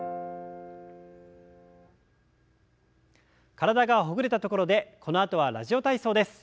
体がほぐれたところでこのあとは「ラジオ体操」です。